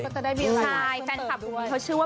ใช่แฟนคลับด้วยเค้าชื่อว่า